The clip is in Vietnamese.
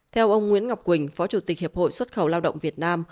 theo ông nguyễn ngọc quỳnh phó chủ tịch hiệp hội xuất khẩu lao động việt nam